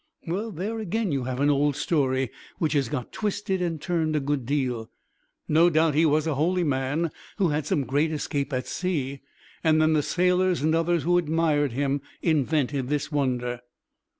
"Well, there again you have an old story which has got twisted and turned a good deal. No doubt he was a holy man who had some great escape at sea, and then the sailors and others who admired him invented this wonder."